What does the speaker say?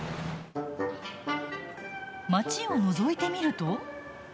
街をのぞいてみると。